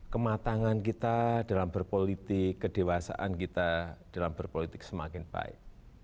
kematangan kita dalam berpolitik kedewasaan kita dalam berpolitik semakin baik